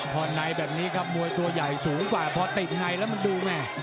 พอในแบบนี้ครับมวยตัวใหญ่สูงกว่าพอติดในแล้วมันดูแม่